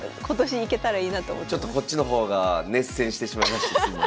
ちょっとこっちの方が熱戦してしまいましてすいません。